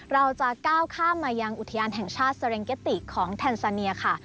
เราจะก้าวข้ามมายังอุทยานแห่งชาติเซเรงเกติของแทนซาเนียค่ะ